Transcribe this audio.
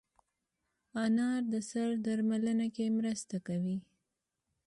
انار د سر درملنه کې مرسته کوي.